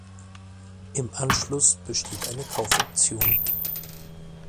Im Anschluss besteht eine Kaufoption.